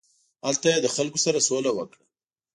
هلته یې له خلکو سره سوله وکړه.